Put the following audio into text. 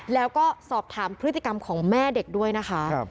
แล้วก็สอบถามพฤติกรรมของแม่เด็กด้วยนะคะ